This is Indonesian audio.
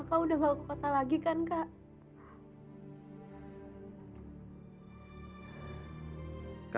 tapi kakak udah gak ke kota lagi kan kak